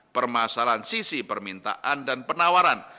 permasalahan sisi permintaan dan penawaran